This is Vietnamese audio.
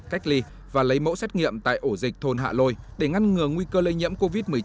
cách ly và lấy mẫu xét nghiệm tại ổ dịch thôn hạ lôi để ngăn ngừa nguy cơ lây nhiễm covid một mươi chín